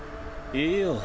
いいよ。